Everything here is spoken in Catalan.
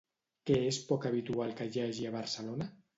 Què és poc habitual que hi hagi a Barcelona?